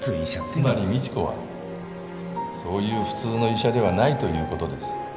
つまり未知子はそういう普通の医者ではないという事です。